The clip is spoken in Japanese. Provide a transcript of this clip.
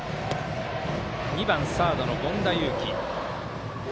２番、サードの権田結輝。